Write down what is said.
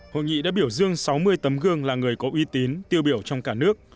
hội nghị đã biểu dương sáu mươi tấm gương là người có uy tín tiêu biểu trong cả nước